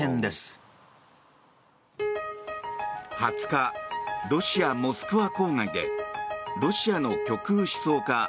２０日ロシア・モスクワ郊外でロシアの極右思想家